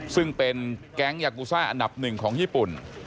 ซึ่งเป็นแก๊งยากูซ่าอันดับหนึ่งของญี่ปุ่น